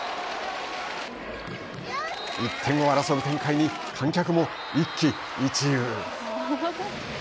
１点を争う展開に、観客も一喜一憂。